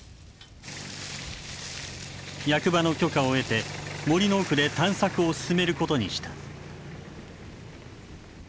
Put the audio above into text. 役場の許可を得て森の奥で探索を進めることにした。